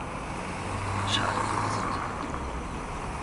Er schadet der Gesundheit.